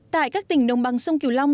tại các tỉnh đồng bằng sông kiều long